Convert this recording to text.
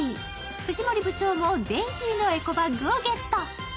藤森部長もデイジーのエコバッグをゲット。